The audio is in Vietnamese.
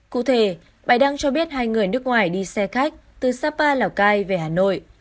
cụ thể bài đăng cho biết hai người nước ngoài đi xe khách từ sapa lào cai về hà nội